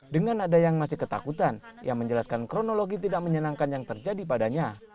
dengan ada yang masih ketakutan ia menjelaskan kronologi tidak menyenangkan yang terjadi padanya